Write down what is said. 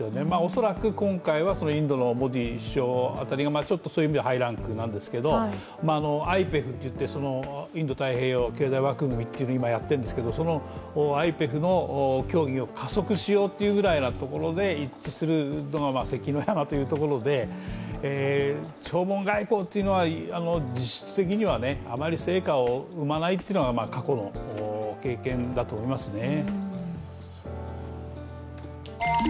恐らく、今回はインドのモディ首相あたりが、ちょっとそういう意味ではハイランクなんですけどＩＰＥＦ＝インド太平洋経済枠組みというのを今やっているんですけれどもそのＩＰＥＦの協議を加速しようっていうぐらいのところで一致するのが関の山というところで、弔問外交というのは実質的には、あまり成果を生まないというのが過去の経験だと思いますね。